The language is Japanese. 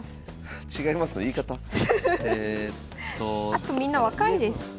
あとみんな若いです。